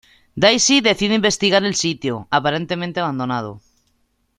Daisy decide investigar el sitio, aparentemente abandonado.